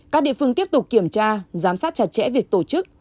các địa phương tiếp tục kiểm tra giám sát chặt chẽ việc tổ chức